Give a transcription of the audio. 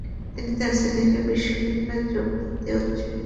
তিনি তার ছেলেকে বিশ্ববিদ্যালয়ে যোগ দিতে উত্সাহিত করতেন।